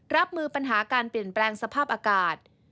รับมือปัญหาการเปลี่ยนแปลงสภาพอากาศ